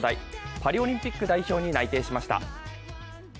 パリオリンピック代表に内定しました。